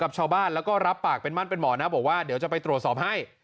ชาวบ้านแล้วก็รับปากเป็นมั่นเป็นหมอนะบอกว่าเดี๋ยวจะไปตรวจสอบให้